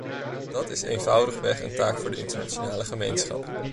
Dat is eenvoudigweg een taak voor de internationale gemeenschap.